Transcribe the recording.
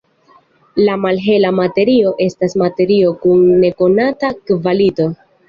La malhela materio estas materio kun nekonata kvalito.